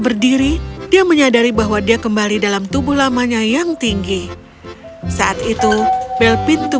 berdiri dia menyadari bahwa dia kembali dalam tubuh lamanya yang tinggi saat itu bel pintu